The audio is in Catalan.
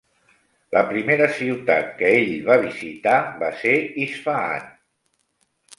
La primera ciutat que ell va visitar va ser Isfahan.